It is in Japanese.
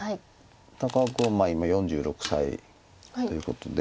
高尾君は今４６歳ということで。